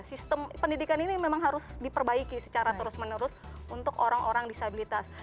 sistem pendidikan ini memang harus diperbaiki secara terus menerus untuk orang orang disabilitas